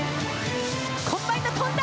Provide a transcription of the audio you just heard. コンバインド、飛んだ！